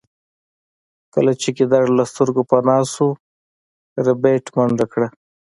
کله چې ګیدړ له سترګو پناه شو ربیټ منډه کړه